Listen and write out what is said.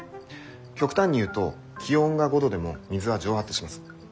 極端に言うと気温が５度でも水は蒸発します。